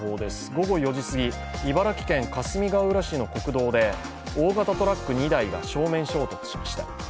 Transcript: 午後４時すぎ、茨城県かすみがうら市の国道で大型トラック２台が正面衝突しました。